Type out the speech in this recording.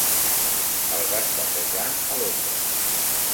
El van batejar a Londres.